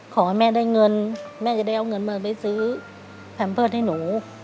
ขอให้แม่ได้เงินแม่จะได้เอาเงินมาไปซื้อแพมเพิร์ตให้หนู